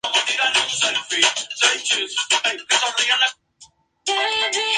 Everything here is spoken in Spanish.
Las cavernas que hay bajo Tierra están repletas de gusanos de roca.